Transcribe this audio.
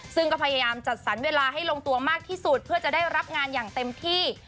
ซึ่งก็พยายามจัดสรรเวลาให้ลงตัวมากที่สุดเพื่อจะได้รับงานอย่างเต็มที่